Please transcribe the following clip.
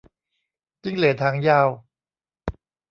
จิ้งเหลนหางยาว